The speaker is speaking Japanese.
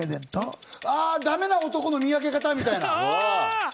ダメな男の見分け方みたいな。